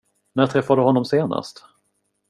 När träffade du honom senast?